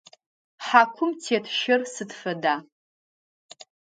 Хьакум тет щэр сыд фэда?